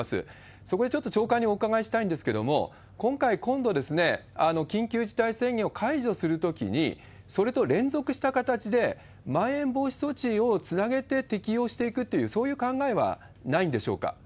そこでちょっと長官にお伺いしたいんですけれども、今回、今度、緊急事態宣言を解除するときに、それと連続した形でまん延防止措置をつなげて適用していくという、そういう考えはないんでしょうか？